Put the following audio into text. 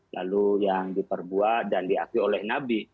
lalu yang diperbuat dan diakui oleh nabi